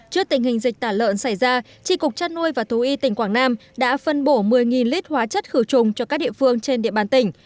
trước tình hình dịch tả lợn xảy ra tri cục chăn nuôi và thú y tỉnh quảng nam đã phân bổ một mươi lít hóa chất khử trùng cho các địa phương trên địa bàn tỉnh